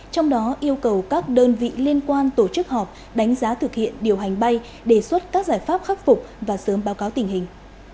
trong đó yêu cầu các đơn vị liên quan tổ chức họp đánh giá thực hiện điều hành bay đề xuất các giải pháp khắc phục và sớm báo cáo tình hình